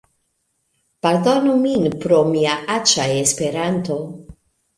Pardonu min pro mia aĉa Esperanto